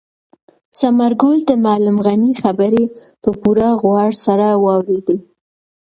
ثمرګل د معلم غني خبرې په پوره غور سره واورېدې.